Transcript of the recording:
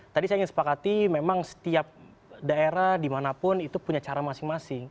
tadi saya ingin sepakati memang setiap daerah dimanapun itu punya cara masing masing